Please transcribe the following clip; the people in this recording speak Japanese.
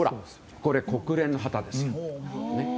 これ、国連の旗です。